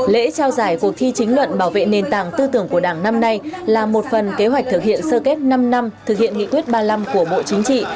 lễ trao giải cuộc thi chính luận bảo vệ nền tảng tư tưởng của đảng năm nay là một phần kế hoạch thực hiện sơ kết năm năm thực hiện nghị quyết ba mươi năm của bộ chính trị